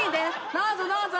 どうぞどうぞ！